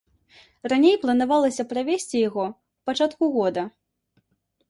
Раней планавалася правесці яго ў пачатку года.